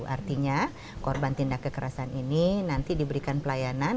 artinya korban tindak kekerasan ini nanti diberikan pelayanan